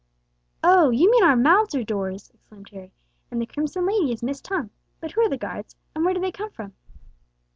"Oh, you mean our mouths are doors!" exclaimed Harry, "and the crimson lady is Miss Tongue; but who are the guards, and where do they come from?"